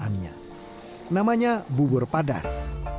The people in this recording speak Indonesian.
namanya bubur padas